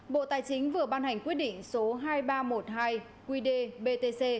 bộ tài chính vừa ban hành quyết định số hai nghìn ba trăm một mươi hai qd btc